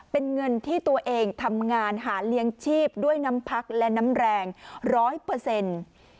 เป็นเงินที่ตัวเองทำงานหาเลี้ยงชีพด้วยน้ำพักและน้ำแรงร้อยเปอร์เซ็นต์